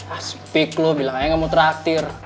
asyik lo bilang aja gak mau traktir